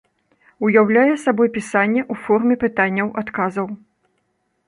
Ўяўляе сабой пісанне ў форме пытанняў-адказаў.